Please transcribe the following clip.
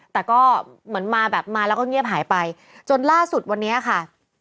แต่ก็เหมือนมาแบบมาแล้วก็เงียบหายไปจนล่าสุดวันนี้ค่ะ